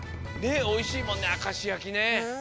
おいしいもんねあかしやきね。